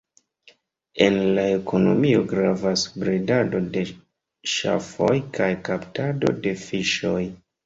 En la ekonomio gravas bredado de ŝafoj kaj kaptado de fiŝoj.